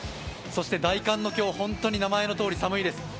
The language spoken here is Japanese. そして大寒の今日、本当に名前のとおり寒いです。